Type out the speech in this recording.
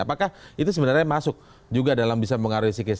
apakah itu sebenarnya masuk juga dalam bisa mengaruhi psikis